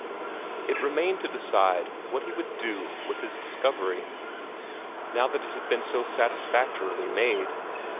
It remained to decide what he would do with his discovery, now that it had been so satisfactorily made.